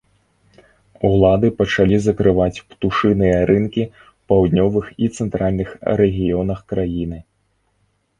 Улады пачалі закрываць птушыныя рынкі ў паўднёвых і цэнтральных рэгіёнах краіны.